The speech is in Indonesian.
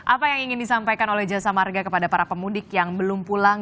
apa yang ingin disampaikan oleh jasa marga kepada para pemudik yang belum pulang